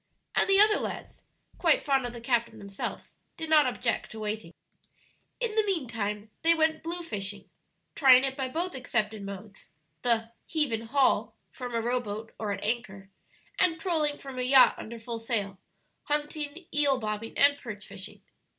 And the other lads, quite fond of the captain themselves, did not object to waiting. In the mean time they went blue fishing (trying it by both accepted modes the "heave and haul" from a rowboat or at anchor, and trolling from a yacht under full sail), hunting, eel bobbing, and perch fishing.